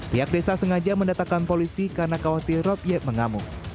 pihak desa sengaja mendatangkan polisi karena khawatir rob yek mengamuk